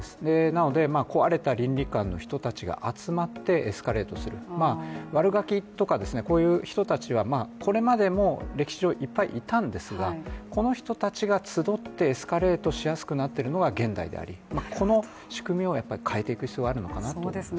壊れた倫理観の人たちが集まってエスカレートする、悪ガキとか、こういう人たちはこれまでも歴史上、いっぱいいたんですがこの人たちが集ってエスカレートしやすくなっているのが現代であり、この仕組みを変えていく必要があるのかなと思いますね。